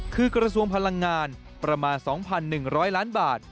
คือกระทรวงพลังงานประมาณ๒๑๐๐ล้านบาท